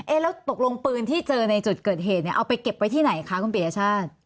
แล้วตกลงปืนที่เจอในจุดเกิดเหตุเนี่ยเอาไปเก็บไว้ที่ไหนคะคุณปียชาติ